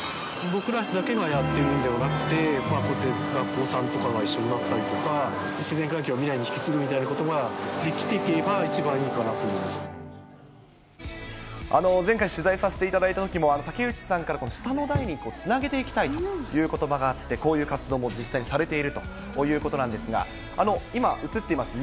僕らだけがやってるんではなくて、学校さんとかが一緒になったりとか、自然環境を未来に引き継ぐみたいなことができていけば一番いいか前回取材させていただいたときも、竹内さんから、この下の代につなげていきたいということばがあって、こういう活動も実際にされているということなんですが、今、映っています